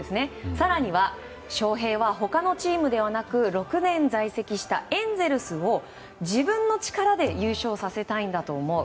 更には翔平は他のチームではなく６年在籍したエンゼルスを自分の力で優勝させたいんだと思う。